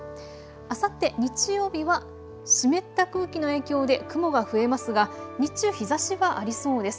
あさって日曜日は湿った空気の影響で雲が増えますが日中、日ざしはありそうです。